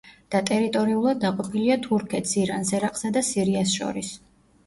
და ტერიტორიულად დაყოფილია თურქეთს, ირანს, ერაყსა და სირიას შორის.